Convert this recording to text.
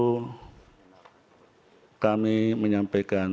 hai kami menyampaikan